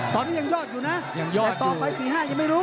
ตอนนี้ยังยอดอยู่นะยังยอดอยู่แต่ต่อไปสี่ห้ายังไม่รู้